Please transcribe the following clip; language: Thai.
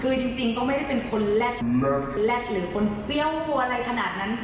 คือจริงก็ไม่ได้เป็นคนแรกหรือคนเปรี้ยวกลัวอะไรขนาดนั้น